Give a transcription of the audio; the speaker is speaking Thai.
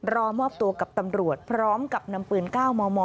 รอมอบตัวกับตำรวจพร้อมกับนำปืน๙มม